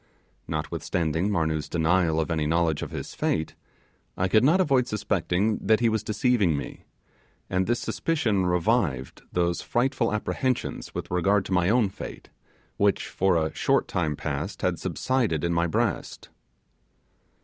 Notwithstanding Marnoo's denial of any knowledge of his fate, I could not avoid suspecting that he was deceiving me; and this suspicion revived those frightful apprehensions with regard to my own fate, which, for a short time past, had subsided in my breast.